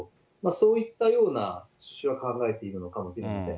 そういったような趣旨は考えているのかもしれません。